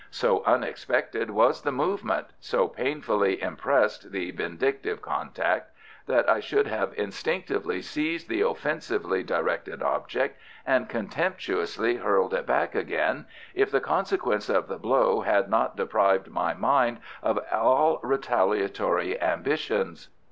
So unexpected was the movement, so painfully impressed the vindictive contact, that I should have instinctively seized the offensively directed object and contemptuously hurled it back again, if the consequence of the blow had not deprived my mind of all retaliatory ambitions.